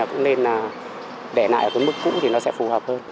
cũng nên để lại ở mức cũ thì nó sẽ phù hợp hơn